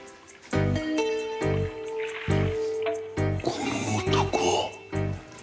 この男。